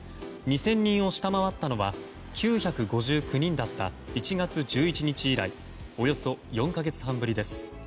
２０００人を下回ったのは９５９人だった１月１１日以来およそ４か月半ぶりです。